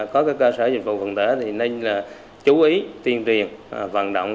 có cái cơ sở dịch vụ vận tửa thì nên là chú ý tiên truyền vận động